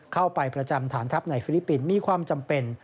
เข้าไปประจำฐานทัพในฟิลิปปินส์มีความจำเป็น